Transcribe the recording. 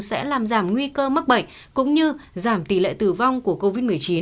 sẽ làm giảm nguy cơ mắc bệnh cũng như giảm tỷ lệ tử vong của covid một mươi chín